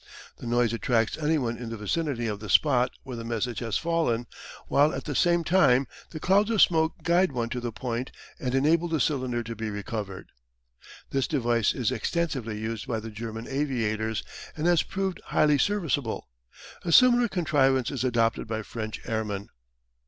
The noise attracts anyone in the vicinity of the spot where the message has fallen, while at the same time the clouds of smoke guide one to the point and enable the cylinder to be recovered. This device is extensively used by the German aviators, and has proved highly serviceable; a similar contrivance is adopted by French airmen.